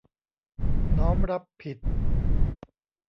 น้อมรับผิด